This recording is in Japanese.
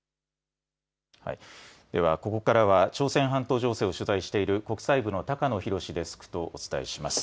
ではここからは朝鮮半島情勢を取材している国際部の高野洋デスクとお伝えします。